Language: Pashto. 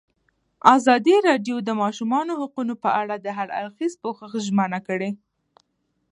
ازادي راډیو د د ماشومانو حقونه په اړه د هر اړخیز پوښښ ژمنه کړې.